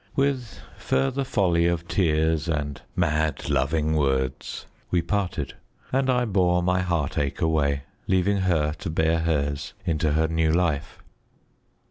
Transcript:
With further folly of tears and mad loving words we parted, and I bore my heartache away, leaving her to bear hers into her new life.